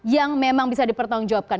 yang memang bisa dipertanggung jawabkan